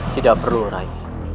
tidak perlu rai